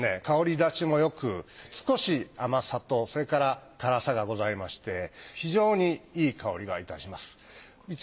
香り立ちもよく少し甘さとそれから辛さがございまして非常にいい香りがいたします。